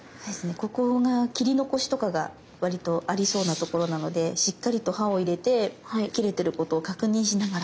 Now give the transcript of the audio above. ここが切り残しとかが割とありそうなところなのでしっかりと刃を入れて切れてることを確認しながら。